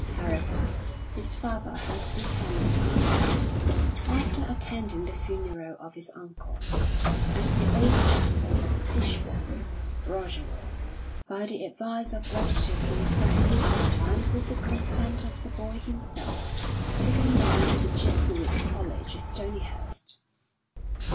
However, his father had determined otherwise. After attending the funeral of his uncle, at the old chapel at Tichborne, Roger was, by the advice of relatives and friends, and with the consent of the boy himself, taken down to the Jesuit College at Stonyhurst.